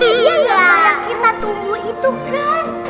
iya yang mana kita tunggu itu kan